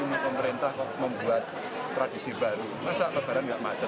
karena pemerintah membuat tradisi baru masa lebaran gak macet